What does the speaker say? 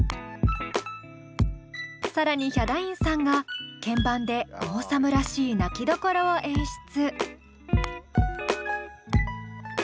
更にヒャダインさんが鍵盤でオーサムらしい泣きどころを演出。